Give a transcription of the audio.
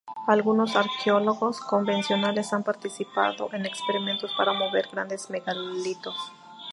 Algunos arqueólogos convencionales han participado en experimentos para mover grandes megalitos.